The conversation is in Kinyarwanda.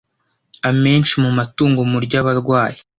Amenshi mu matungo murya aba arwaye